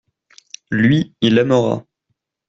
Lui, il aimera.